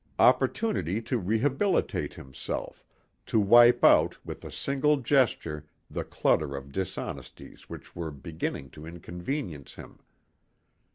Opportunity to rehabilitate himself, to wipe out with a single gesture the clutter of dishonesties which were beginning to inconvenience him.